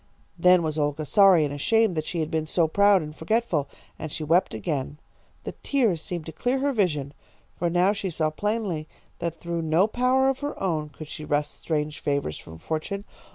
"Then was Olga sorry and ashamed that she had been so proud and forgetful, and she wept again. The tears seemed to clear her vision, for now she saw plainly that through no power of her own could she wrest strange favours from fortune.